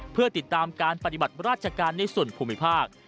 เพื่อติดตามการปฏิบัติราชการในส่วนภูมิภาค